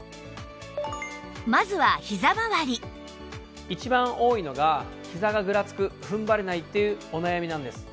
まずは一番多いのがひざがぐらつく踏ん張れないっていうお悩みなんです。